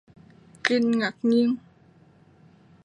Trinh ngạc nhiên